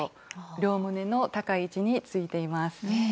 両胸の高い位置についています。